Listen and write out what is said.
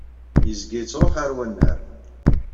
Yezga yettṛuḥu ar wannar.